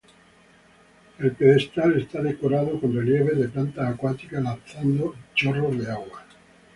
El pedestal está decorado con relieves de plantas acuáticas, lanzando chorros de agua.